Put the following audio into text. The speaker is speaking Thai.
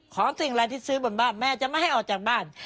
สิ่งอะไรที่ซื้อบนบ้านแม่จะไม่ให้ออกจากบ้าน